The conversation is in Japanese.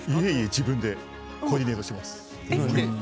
自分でコーディネートしています。